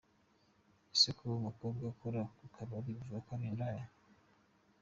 Ese kuba umukobwa akora mu kabari bivuga ko ari indaya?